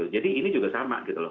jadi ini juga sama gitu loh